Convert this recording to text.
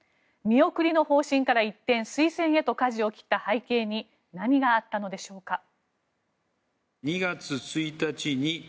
見送りの方針から一転推薦へとかじを切った背景に何があったのでしょうか。